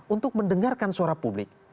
untuk mendengarkan suara publik